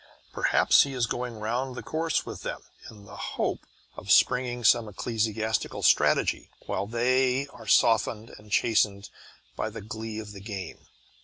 Perhaps he is going round the course with them, in the hope of springing some ecclesiastical strategy while they are softened and chastened by the glee of the game.